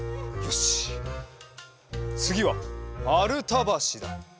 よしつぎはまるたばしだ！